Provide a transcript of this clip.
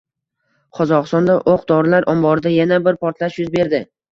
Qozog‘istonda o‘q-dorilar omborida yana bir portlash yuz berdi